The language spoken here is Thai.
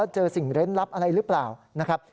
เจอสิ่งเล่นลับอะไรหรือเปล่านะครับ